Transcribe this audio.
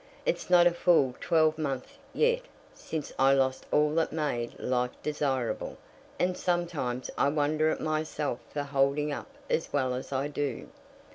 It's not a full twelvemonth yet since I lost all that made life desirable, and sometimes I wonder at myself for holding up as well as I do."